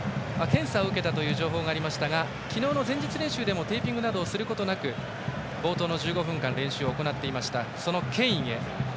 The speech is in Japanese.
検査を受けたという情報がありましたが昨日の前日練習でもテーピングなどをすることなく冒頭の１５分間練習を行っていました。